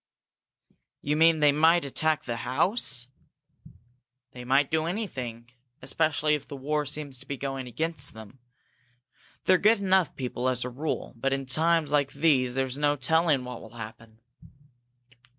"You mean they might attack the house?" "They might do anything, especially if the war seems to be going against them. They're good enough people, as a rule, but in times like these there's no telling what will happen."